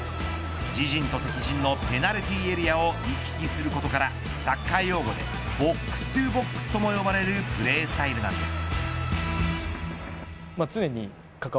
自陣と敵陣のペナルティーエリアを行き来することからサッカー用語でボックス・トゥ・ボックスとも呼ばれるプレースタイルなんです。